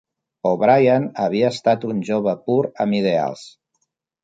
O'Brien havia estat un jove pur amb ideals.